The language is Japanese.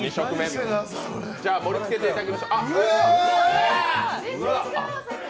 では盛りつけていただきましょう。